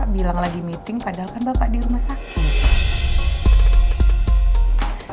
bilang lagi meeting padahal kan bapak di rumah sakit